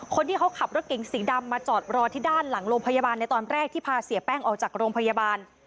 คนที่เขาขับรถเก๋งสีดำมาจอดรอที่ด้านหลังโรงพยาบาลในตอนแรกที่พาเสียแป้งออกจากโรงพยาบาล